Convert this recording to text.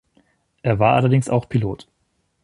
Er war allerdings auch Pilot.